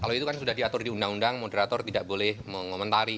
kalau itu kan sudah diatur di undang undang moderator tidak boleh mengomentari